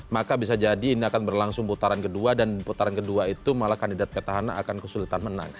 maka bisa jadi ini akan berlangsung putaran kedua dan putaran kedua itu malah kandidat petahana akan kesulitan menang